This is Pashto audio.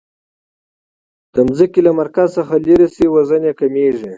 د ځمکې له مرکز څخه لیرې شئ وزن یي کمیږي.